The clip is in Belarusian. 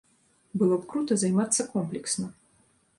Было б крута займацца комплексна.